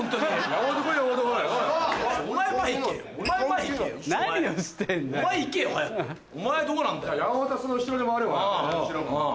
山本はその後ろで回れば。